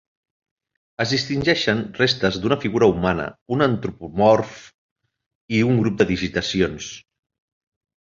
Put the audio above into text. Es distingeixen restes d'una figura humana, un antropomorf i un grup de digitacions.